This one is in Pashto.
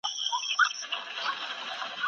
موږ د همدې بیرغ نښان ښکل کړی